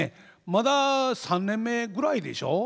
まだ３年目ぐらいでしょう？